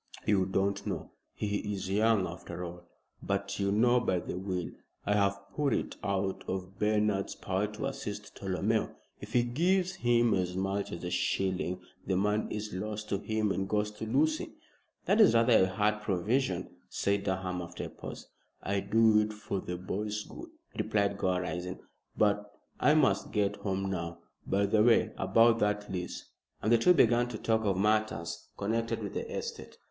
"You don't know. He is young after all. But you know, by the will, I have put it out of Bernard's power to assist Tolomeo. If he gives him as much as a shilling the money is lost to him and goes to Lucy." "That is rather a hard provision," said Durham, after a pause. "I do it for the boy's good," replied Gore, rising; "but I must get home now. By the way, about that lease," and the two began to talk of matters connected with the estate.